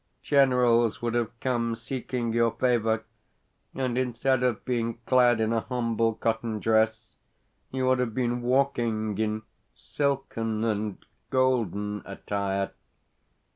Generals would have come seeking your favour, and, instead of being clad in a humble cotton dress, you would have been walking in silken and golden attire.